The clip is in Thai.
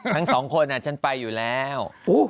ทั้งสองคนฉันไปอยู่แล้ว